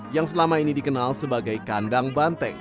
yang selama ini dikenal sebagai kandang banteng